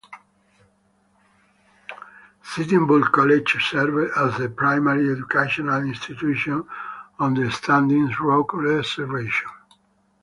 Sitting Bull College serves as the primary educational institution on the Standing Rock Reservation.